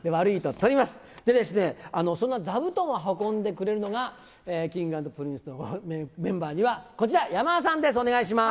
それで、その座布団を運んでくれるのは、Ｋｉｎｇ＆Ｐｒｉｎｃｅのメンバーにはこちら、山田さんです、お願いします。